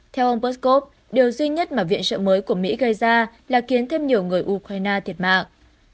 theo ông poskov điều duy nhất mà viện trợ mới của mỹ gây ra là khiến thêm nhiều người ukraine thiệt mạng